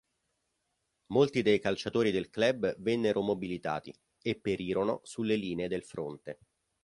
Molti dei calciatori del club vennero mobilitati e perirono sulle linee del fronte.